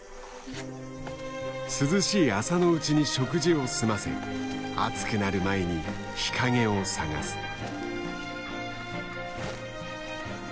涼しい朝のうちに食事を済ませ暑くなる前に日陰を探す。